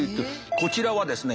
こちらはですね